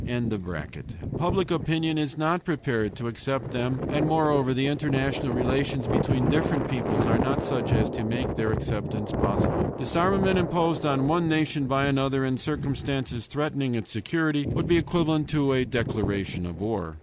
] Public opinion is not prepared to accept them, and moreover, the international relations between different peoples are not such as to make their acceptance possible. Disarmament imposed on one nation by another in circumstances threatening its security would be equivalent to a declaration of war.